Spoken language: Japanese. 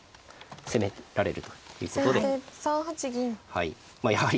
はいまあやはり。